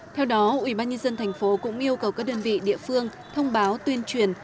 theo đó ủy ban nhân dân thành phố cũng yêu cầu các đơn vị địa phương thông báo tuyên truyền